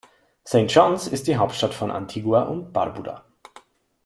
St. John’s ist die Hauptstadt von Antigua und Barbuda.